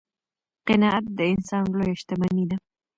قناعت د انسان لویه شتمني ده.